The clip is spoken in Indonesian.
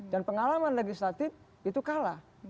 dan pengalaman legislatif itu kalah